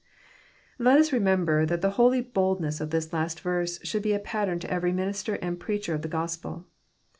'* Let us remember that the holy boldness of this last verse should be a pattern to every minister and preacher of the Gospel.